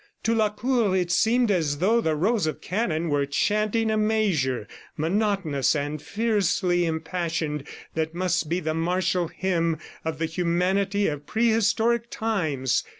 To Lacour it seemed as though the rows of cannon were chanting a measure, monotonous and fiercely impassioned that must be the martial hymn of the humanity of prehistoric times.